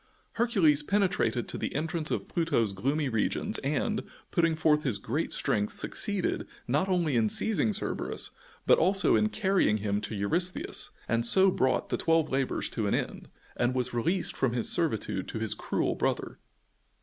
Hercules penetrated to the entrance of Pluto's gloomy regions, and, putting forth his strength succeeded, not only in seizing Cerberus, but also in carrying him to Eurystheus, and so brought the twelve labors to an end, and was released from his servitude to his cruel brother.